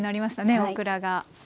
オクラが。